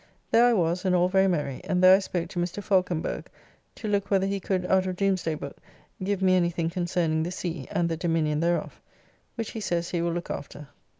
There I was and all very merry, and there I spoke to Mr. Falconberge to look whether he could out of Domesday Book, give me any thing concerning the sea, and the dominion thereof; which he says he will look after.